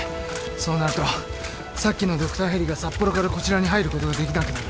そうなるとさっきのドクターヘリが札幌からこちらに入ることができなくなる。